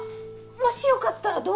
もしよかったらどうぞ。